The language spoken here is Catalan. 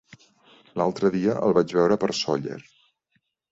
L'altre dia el vaig veure per Sóller.